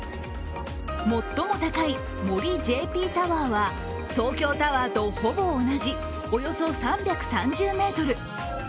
最も高い森ＪＰタワーは東京タワーとほぼ同じおよそ３３０ｍ。